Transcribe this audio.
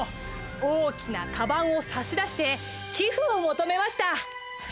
大きなかばんを差し出して寄付を求めました。